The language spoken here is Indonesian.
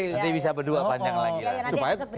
nanti bisa berdua panjang lagi